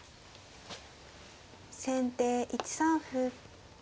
先手１三歩。